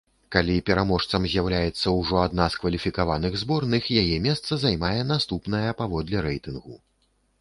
Калі пераможцам з'яўляецца ўжо адна з кваліфікаваных зборных, яе месца займае наступная паводле рэйтынгу.